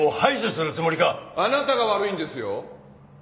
あなたが悪いんですよ。